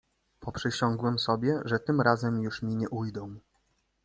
"Poprzysiągłem sobie, że tym razem już mi nie ujdą."